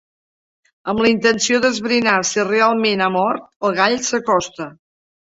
Amb la intenció d'esbrinar si realment ha mort, el gall s'acosta.